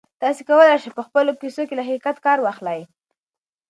تاسي کولای شئ په خپلو کیسو کې له حقیقت کار واخلئ.